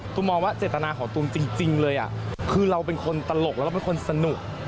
มองว่าเจตนาของตูมจริงเลยคือเราเป็นคนตลกแล้วเราเป็นคนสนุก